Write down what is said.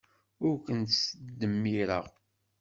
Ur kent-ttdemmireɣ.